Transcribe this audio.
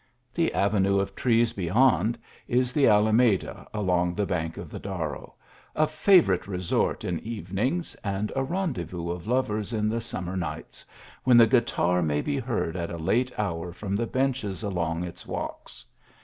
The ave nue of trees beyond, is the Alameda along the bank of the Darro, a favourite resort in evenings, and a rendezvous of lovers in the summer nights, when the guitar may be heard at a late hour from the benches along its walks.